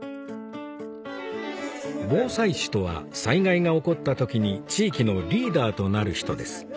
防災士とは災害が起こった時に地域のリーダーとなる人です